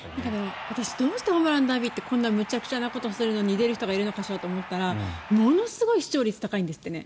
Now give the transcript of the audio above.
私、どうしてホームランダービーってこんなにむちゃくちゃするのに出る人がいるのかしらって思ったらものすごい視聴率が高いんですってね。